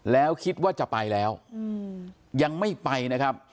แล้วคิดว่าจะไปแล้วยังไม่ไปนะครับ